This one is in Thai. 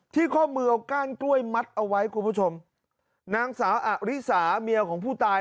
ข้อมือเอาก้านกล้วยมัดเอาไว้คุณผู้ชมนางสาวอริสาเมียของผู้ตาย